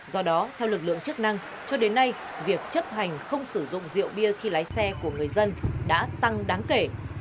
do đó theo lực lượng chức năng cho đến nay việc chấp hành không sử dụng rượu bia khi lái xe của người dân đã tăng đáng kể